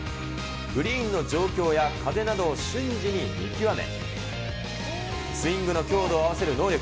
グリーンの状況や風などを瞬時に見極め、スイングの強度を合わせる能力。